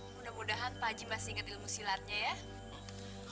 mudah mudahan pak haji masih ingat ilmu silatnya ya